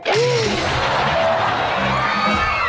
ติ้ง